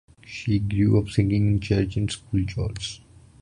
She grew up singing in church and school choirs.